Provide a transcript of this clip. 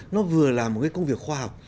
nó vừa là một cái công việc khoa học